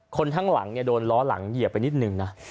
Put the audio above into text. ทั้งหลังเนี่ยโดนล้อหลังเหยียบไปนิดนึงนะ